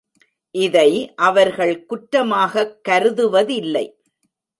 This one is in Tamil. இதை அவர்கள் குற்றமாகக் கருதுவதில்லை.